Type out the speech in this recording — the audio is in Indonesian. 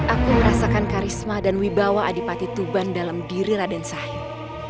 aku merasakan karisma dan wibawa adipati tuban dalam diri raden sahid